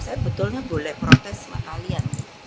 saya betulnya boleh protes sama kalian